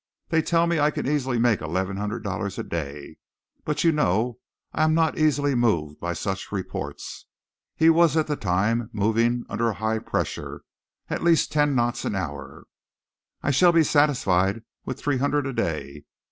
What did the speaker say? They tell me I can easily make eleven hundred dollars a day; but you know I am not easily moved by such reports" he was at the time moving under a high pressure, at least ten knots an hour "I shall be satisfied with three hundred a day.